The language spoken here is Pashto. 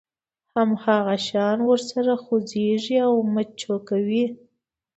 هماغه شان ورسره خوځېږي او مچو کوي.